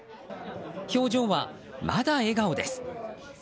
表情は、まだ笑顔です。